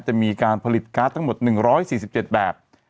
จะมีการผลิตการ์ดทั้งหมด๑๔๗แบบ